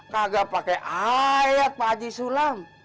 kagak pakai ayat pak ji sulam